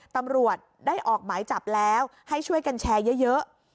ตำรวจได้ออกหมายจับแล้วให้ช่วยกันแชร์เยอะ